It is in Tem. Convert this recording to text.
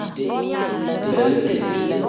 Beleeti.